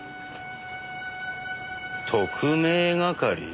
「特命係」？